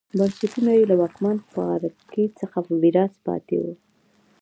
بنسټونه یې له واکمن پاړکي څخه په میراث پاتې وو